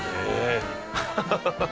ハハハハ！